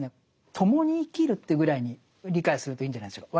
共に生きるというぐらいに理解するといいんじゃないでしょうか。